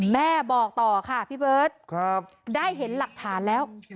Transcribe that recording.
แม่บอกต่อค่ะพี่เบิร์ตได้เห็นหลักฐานแล้ว